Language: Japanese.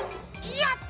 やった！